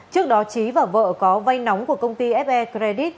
trước đó trí và vợ có vay nóng của công ty fre credit